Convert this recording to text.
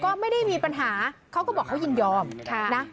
ก็จะมีการถอนป้ายโฆษณารับทำพิธีลอยองคารออกเลย